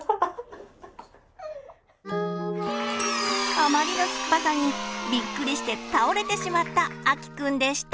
あまりの酸っぱさにびっくりして倒れてしまったあきくんでした！